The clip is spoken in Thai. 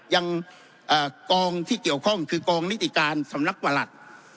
ยังกองที่เกี่ยวข้องคือกองนิติการสำนักประหลัด